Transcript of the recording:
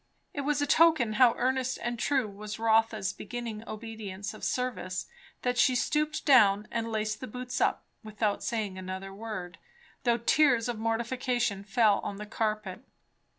It was a token how earnest and true was Rotha's beginning obedience of service, that she stooped down and laced the boots up, without saying another word, though tears of mortification fell on the carpet.